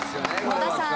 野田さん